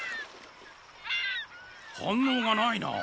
反のうがないな。